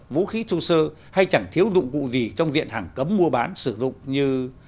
vũ khí thô sơ hay chẳng thiếu dụng cụ gì trong diện hàng cấm mua bán sử dụng như